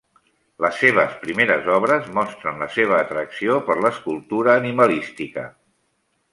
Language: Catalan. Les seves primeres obres mostren la seva atracció per l'escultura animalística.